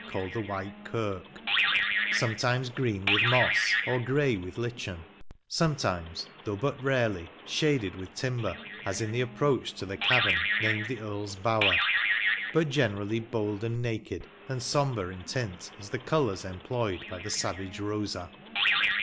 457 ealled the White Eirk ; sometiines green with moss or ^7 with Hchen; sometimes, though but rarelj, shaded with timber, ai in the approach to the cayem named the Earl'B Bower ; bat generallj Dold and naked, and sombre in tint as the colours emplojed bj the saTage Bosa.